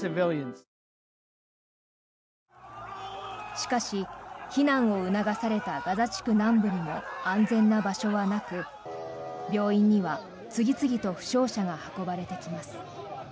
しかし、避難を促されたガザ地区南部にも安全な場所はなく病院には次々と負傷者が運ばれてきます。